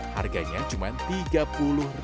harganya cuma rp tiga puluh